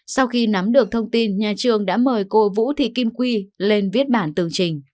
sau khi nắm được thông tin nhà trường đã mời cô vũ thị kim quy lên viết bản tường trình